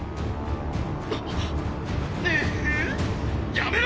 やめろ！！